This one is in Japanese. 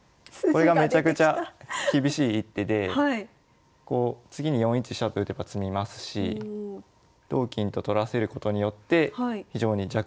これがめちゃくちゃ厳しい一手でこう次に４一飛車と打てば詰みますし同金と取らせることによって非常に弱体化させられる。